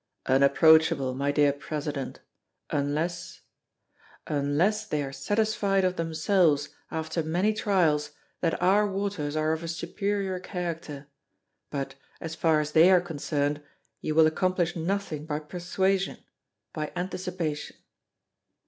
"Unapproachable, my dear President unless unless they are satisfied of themselves after many trials that our waters are of a superior character. But, as far as they are concerned, you will accomplish nothing by persuasion by anticipation."